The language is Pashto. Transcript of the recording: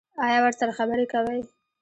ایا ورسره خبرې کوئ؟